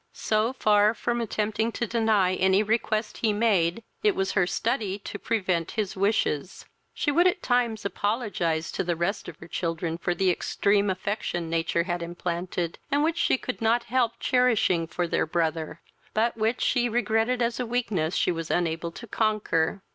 So far from attempting to deny any request he made, it was her study to prevent his wishes. She would at times apologize to the rest of her children for the extreme affection nature had implanted, and which she could not help cherishing for their brother, but which she regretted as a weakness she was unable to conquer.